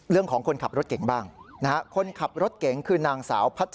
เรื่องของคนขับรถเก่งบ้างคนขับรถเก่งคือนางสาวพัชรินวิกิตเศษ